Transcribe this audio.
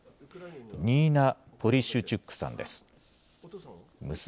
ニーナ・ポリシュチュックさんです。